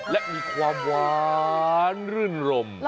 และมีความหวานรื่นรม